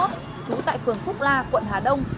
trú tại phường phúc la quận hà đông